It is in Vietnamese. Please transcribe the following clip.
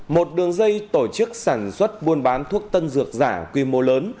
một đường dây tổ chức sản xuất buôn bán thuốc tân dược giả quy mô lớn